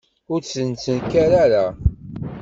Ur d-tettnekkar ara.